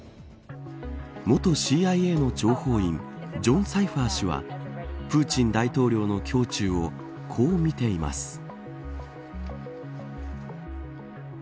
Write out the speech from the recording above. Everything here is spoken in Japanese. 元ＣＩＡの諜報員ジョン・サイファー氏はプーチン大統領の胸中をこうみています。